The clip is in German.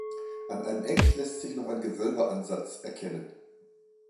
An einem Eck lässt sich noch ein Gewölbeansatz erkennen.